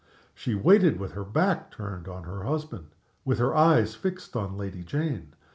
She waited with her back turned on her husband, with her eyes fixed on Lady Jane.